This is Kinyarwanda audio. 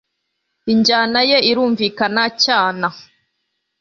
injyana ye irumvikana cyana